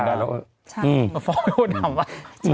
ฟ้องมาดำ